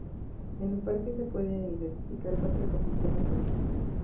En el parque se pueden identificar cuatro ecosistemas básicos.